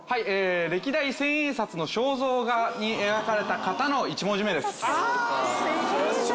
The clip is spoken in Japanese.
歴代千円札の肖像画に描かれた方の１文字目です